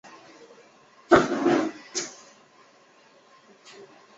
许多阿萨德家族的成员都曾在卫队中服役。